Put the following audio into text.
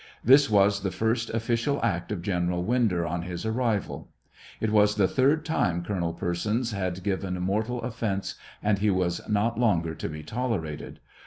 This was the first official act of General Winder on his arrival. It was the third time Colonel Persons had given mortal offence, and he was not longer to he tolerated.